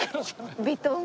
ヴィトン。